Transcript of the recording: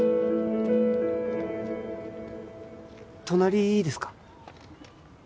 隣いいですか？